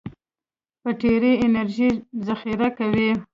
بټري انرژي ذخیره کوي.